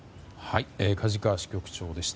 梶川支局長でした。